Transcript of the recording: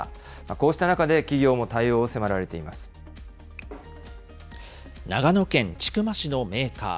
こうした中で企業も対応を迫られ長野県千曲市のメーカー。